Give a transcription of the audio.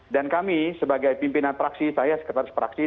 dan kami sebagai pimpinan fraksi saya sekretaris fraksi